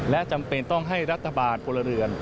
และจำเป็นต้องให้รัฐบาลพลเรือน